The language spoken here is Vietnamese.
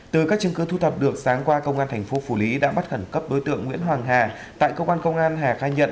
từ các chứng cứ thu thập được sáng qua công an tp phù lý đã bắt khẩn cấp đối tượng nguyễn hoàng hà tại công an công an hà khai nhận